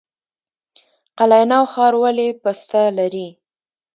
قلعه نو ښار ولې پسته لري؟